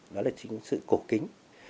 đó là chính sự cổ kính